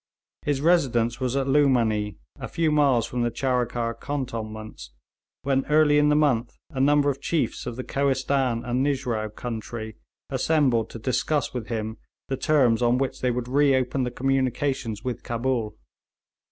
His residence was at Lughmanee, a few miles from the Charikar cantonments, when early in the month a number of chiefs of the Kohistan and the Nijrao country assembled to discuss with him the terms on which they would reopen the communications with Cabul.